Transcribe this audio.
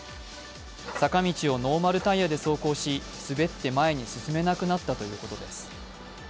坂道をノーマルタイヤで走行し滑って前に進めなくなったということです。